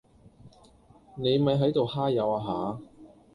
你咪喺度揩油呀吓